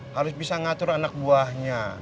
harus bisa ngatur anak buahnya